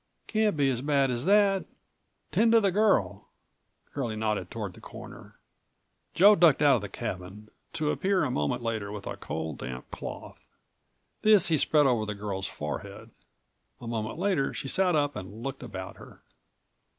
"Can't be as bad as that. Tend to the girl," Curlie nodded toward the corner. Joe ducked out of the cabin, to appear a moment later with a cold, damp cloth. This he spread over the girl's forehead. A moment later she sat up and looked about her.